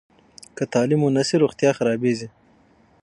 که تعلیم ونه سي، روغتیا خرابېږي.